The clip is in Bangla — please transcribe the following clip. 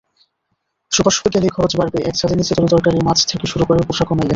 সুপারশপে গেলেই খরচ বাড়বেএক ছাদের নিচে তরিতরকারি, মাছ থেকে শুরু করে পোশাকও মেলে।